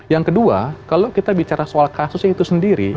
yang kedua kalau kita bicara soal kasusnya itu sendiri